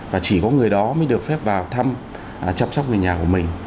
và chỉ có người đó mới được phép vào thăm chăm sóc người nhà của mình